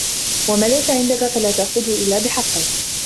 وَمَا لَيْسَ عِنْدَك فَلَا تَأْخُذْهُ إلَّا بِحَقِّهِ